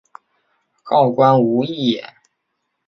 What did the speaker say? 告官无益也。